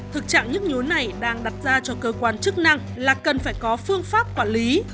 thực trạng nhức nhối này đang đặt ra cho cơ quan chức năng là cần phải có phương pháp quản lý